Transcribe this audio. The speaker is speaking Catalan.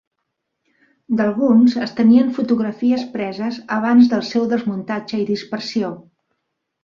D'alguns es tenien fotografies preses abans del seu desmuntatge i dispersió.